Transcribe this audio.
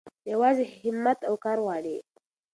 يوازې هيمت او کار غواړي.